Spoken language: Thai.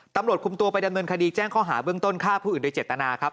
ตำรวจคุมตัวไปดำเนินคดีแจ้งข้อหาเบื้องต้นฆ่าผู้อื่นโดยเจตนาครับ